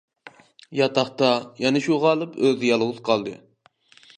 ياتاقتا، يەنە شۇ غالىپ ئۆزى يالغۇز قالدى.